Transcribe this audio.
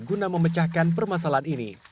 untuk mengembangkan permasalahan ini